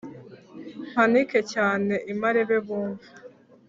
mpanike cyane i marebe bumve